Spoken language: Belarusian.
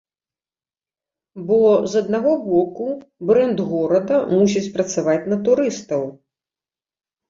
Бо, з аднаго боку, брэнд горада мусіць працаваць на турыстаў.